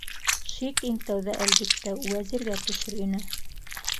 Шик иң тәүҙә, әлбиттә, Вәзиргә төшөр ине.